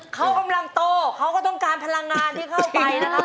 เขากำลังโตเขาก็ต้องการพลังงานที่เข้าไปนะครับ